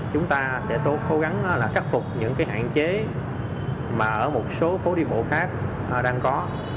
chúng ta sẽ cố gắng là khắc phục những hạn chế mà ở một số phố đi bộ khác đang có